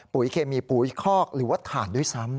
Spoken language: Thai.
เคมีปุ๋ยคอกหรือว่าถ่านด้วยซ้ำ